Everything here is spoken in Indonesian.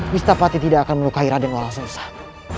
wistapati tidak akan melukai raden walang sengsang